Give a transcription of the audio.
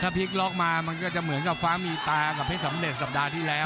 พลิกล็อกมามันก็จะเหมือนกับฟ้ามีตากับเพชรสำเร็จสัปดาห์ที่แล้ว